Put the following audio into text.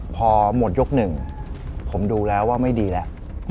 พอหมดยก๑ผมดูแล้วว่าไม่ดีแหละ